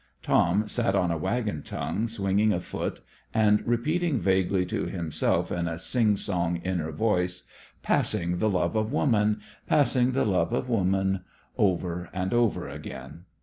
Tom sat on a wagon tongue swinging a foot and repeating vaguely to himself in a singsong inner voice, "passing the love of woman, passing the love of woman," over and over again.